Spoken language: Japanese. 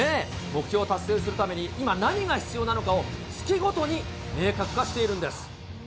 目標達成するために、今何が必要なのかを、月ごとに明確化しているんです。